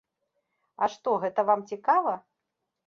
А што, гэта вам цікава?